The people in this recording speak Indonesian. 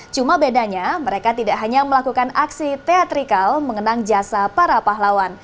cuma bedanya mereka tidak hanya melakukan aksi teatrikal mengenang jasa para pahlawan